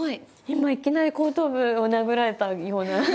今いきなり後頭部を殴られたような。